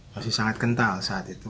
masih sangat kental saat itu